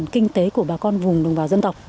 kinh tế của bà con vùng đồng bào dân tộc